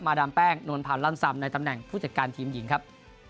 มาดามแป้งนวลผ่านรันทรัมในตำแหน่งผู้จัดการทีมหญิงครับ